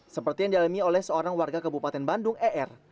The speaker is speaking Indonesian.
seperti yang dialami oleh seorang warga kabupaten bandung er